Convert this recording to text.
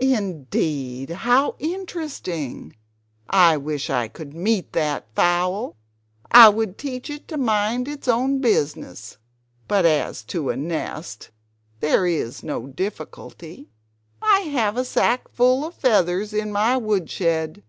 "Indeed! How interesting! I wish I could meet with that fowl. I would teach it to mind its own business! "But as to a nest there is no difficulty: I have a sackful of feathers in my woodshed.